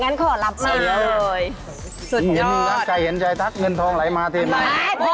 งั้นขอรับมาอีกเลยสุดยอดรักใจเห็นใจทักเงินทองไหลมาเต็มไหม